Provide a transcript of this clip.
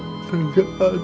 tapi kakaknya gak ada